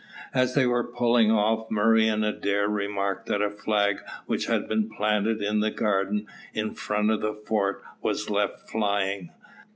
As they were pulling off, Murray and Adair remarked that a flag which had been planted in the garden, in front of the fort, was left flying.